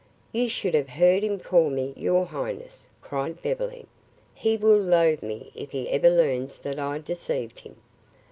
"You should have heard him call me 'your highness,'" cried Beverly. "He will loathe me if he ever learns that I deceived him."